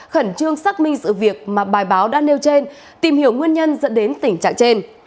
khẩn trương xác minh sự việc mà bài báo đã nêu trên tìm hiểu nguyên nhân dẫn đến tình trạng trên